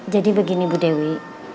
jadi begini ibu dewi